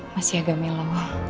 masih agak melu